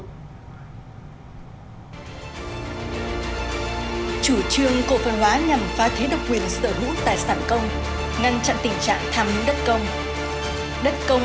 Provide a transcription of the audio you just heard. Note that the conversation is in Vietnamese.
chủ trương cổ phần hóa nhằm phá thế độc quyền sở hữu tài sản công